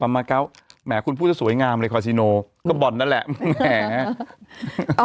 มาเก้าแหมคุณพูดสวยงามเลยคาซิโนก็บ่อนนั่นแหละ